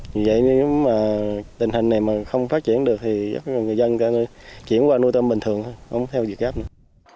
như vậy nếu mà tình hình này mà không phát triển được thì người dân chỉ qua nuôi tôm bình thường thôi không theo việt gáp nữa